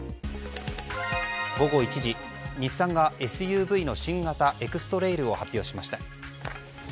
午後１時、日産がＳＵＶの新型エクストレイルを発表しました。